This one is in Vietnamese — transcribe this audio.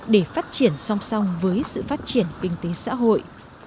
để phát triển song song với sự phát triển kinh tế xã hội